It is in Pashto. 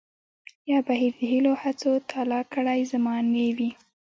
يا بهير د هيلو هڅو تالا کړے زمانې وي